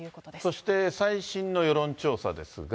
そして、最新の世論調査ですが。